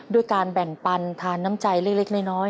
ด้วยการแบ่งปันทานน้ำใจเล็กน้อย